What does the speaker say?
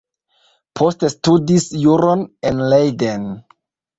Poste studis juron en Leiden.